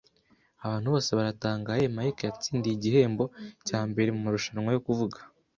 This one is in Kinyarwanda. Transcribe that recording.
Abantu bose baratangaye, Mike yatsindiye igihembo cya mbere mumarushanwa yo kuvuga